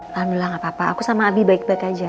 lahan bilang apa apa aku sama abi baik baik aja